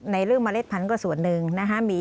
ในเรื่องเมล็ดพันธุก็ส่วนหนึ่งนะฮะ